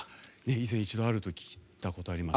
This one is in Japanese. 以前、一度あると聞いたことがありました。